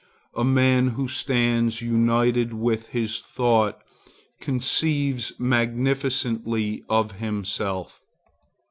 A man who stands united with his thought conceives magnificently of himself.